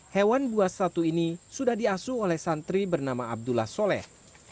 hewan buas satu ini sudah diasuh oleh santri bernama abdullah soleh